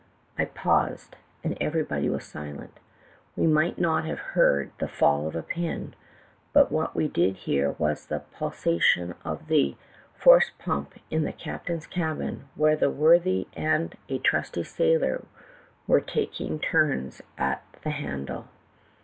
"I paused, and everybody was .silent. We might not have heard the fall of a pin, but what we did hear was the pulsation of the force pump in the captain's cabin, where that worthy and a trusty sailor were taking turns at the handle.